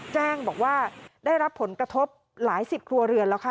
แจ้งบอกว่าได้รับผลกระทบหลายสิบครัวเรือนแล้วค่ะ